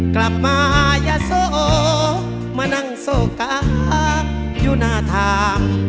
กลับมาอย่าโสมานั่งโซกาอยู่หน้าทาง